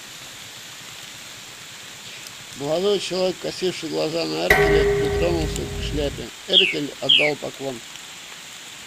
Молодой человек, косивший глаза на Эркеля, притронулся к шляпе; Эркель отдал поклон.